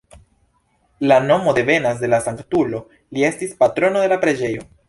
La nomo devenas de la sanktulo, li estis patrono de la preĝejo.